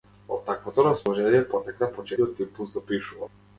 Од таквото расположение потекна почетниот импулс да пишувам.